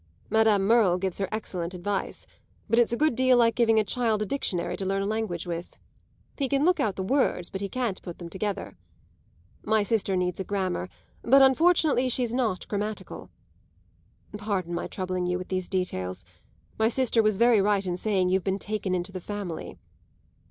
Madame Merle gives her excellent advice, but it's a good deal like giving a child a dictionary to learn a language with. He can look out the words, but he can't put them together. My sister needs a grammar, but unfortunately she's not grammatical. Pardon my troubling you with these details; my sister was very right in saying you've been taken into the family.